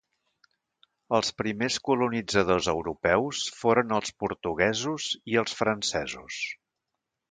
Els primers colonitzadors europeus foren els portuguesos i els francesos.